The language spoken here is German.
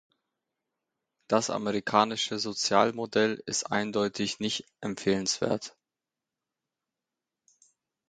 Das amerikanische Sozialmodell ist eindeutig nicht empfehlenswert.